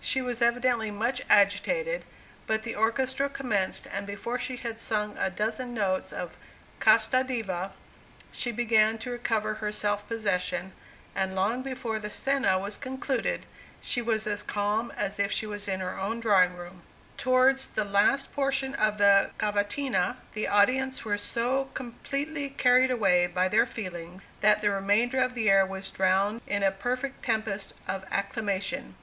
She was evidently much agitated, but the orchestra commenced, and before she had sung a dozen notes of "Casta Diva," she began to recover her self possession, and long before the scena was concluded, she was as calm as if she was in her own drawing room. Towards the last portion of the cavatina, the audience were so completely carried away by their feelings, that the remainder of the air was drowned in a perfect tempest of acclamation.